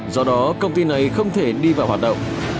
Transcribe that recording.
do đó công ty này không thể đi vào hoạt động